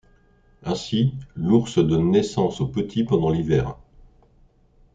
Ainsi, l’ours donne naissance aux petits pendant l’hiver.